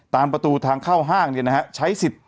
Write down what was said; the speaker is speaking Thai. ตามประตูทางเข้าห้างเนี่ยนะฮะใช้สิทธิ์